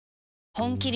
本麒麟